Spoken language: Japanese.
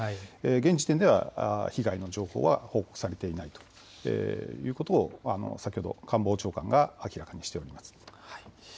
現時点では被害の情報は報告されていないということを先ほど官房長官が明らかにしています。